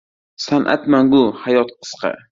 • San’at mangu, hayot qisqa.